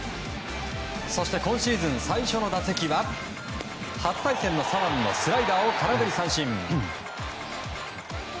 そして今シーズン最初の打席は初対戦の左腕のスライダーを空振り三振。